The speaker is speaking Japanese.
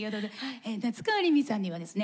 夏川りみさんにはですね